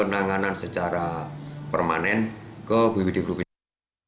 ini langsung dibuat proposal pengajuan untuk penanggul